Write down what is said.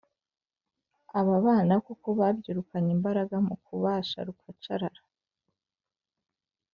Aba bana koko babyirukanye imbaraga mu kubasha rukacarara.